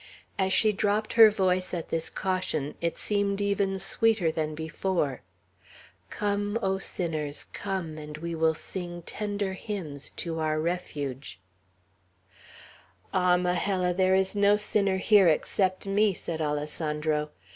As she dropped her voice at this caution, it seemed even sweeter than before: "'Come, O sinners, Come, and we will sing Tender hymns To our refuge,'" "Ah, Majella, there is no sinner here, except me!" said Alessandro.